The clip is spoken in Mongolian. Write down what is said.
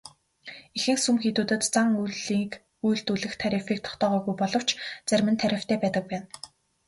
Ихэнх сүм хийдүүдэд зан үйлийг үйлдүүлэх тарифыг тогтоогоогүй боловч зарим нь тарифтай байдаг байна.